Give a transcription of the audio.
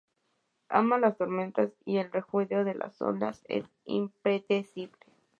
Ama las tormentas y el rugido de las olas y es impredecible.